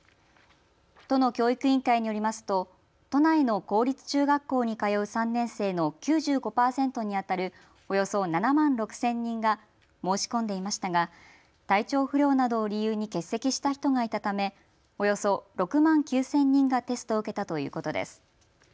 都の教育委員会によりますと都内の公立中学校に通う３年生の９５％にあたるおよそ７万６０００人が申し込んでいましたが体調不良などを理由に欠席した人がいたためおよそ６万９０００人がテストを受けたということです。